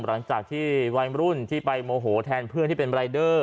หลังจากที่วัยรุ่นที่ไปโมโหแทนเพื่อนที่เป็นรายเดอร์